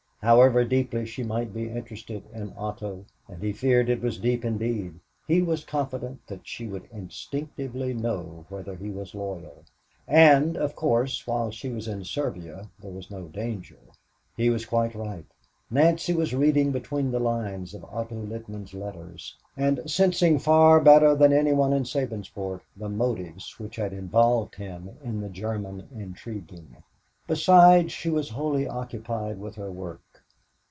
However deeply she might be interested in Otto and he feared it was deep indeed he was confident that she would instinctively know whether he was loyal; and, of course, while she was in Serbia, there was no danger. He was quite right. Nancy was reading between the lines of Otto Littman's letters, and sensing far better than any one in Sabinsport the motives which had involved him in the German intriguing. Besides, she was wholly occupied with her work.